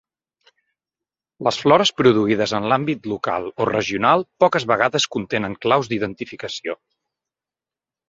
Les flores produïdes en l'àmbit local o regional poques vegades contenen claus d'identificació.